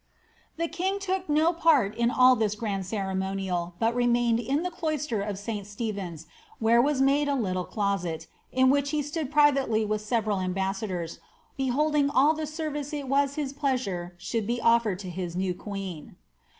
The king took no part in all this grand ceremonial, but remained io the cloister of St. Stephen's,* where was made a little closet, in which he stood privately with several ambassadors, beholding all the service it was his pleasure should be ofiered to his new queen.